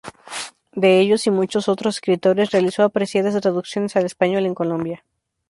De ellos, y muchos otros escritores, realizó apreciadas traducciones al español en Colombia.